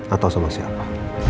atau sama siapa